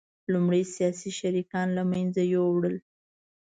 لومړی سیاسي شریکان له منځه یوړل